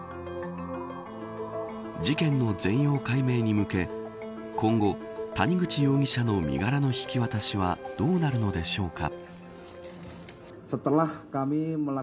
事件の全容解明に向け今後、谷口容疑者の身柄の引き渡しはどうなるのでしょうか。